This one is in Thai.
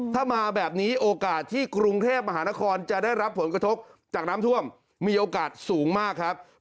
ถ้ามาแบบนี้โอกาสที่กรุงเทพมหานครจะได้รับผลกระทบจากน้ำท่วมมีโอกาสสูงมากครับ